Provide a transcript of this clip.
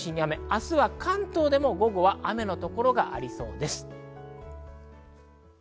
明日は関東でも午後は雨の所がありそうです。